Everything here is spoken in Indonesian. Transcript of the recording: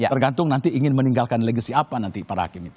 tergantung nanti ingin meninggalkan legasi apa nanti para hakim itu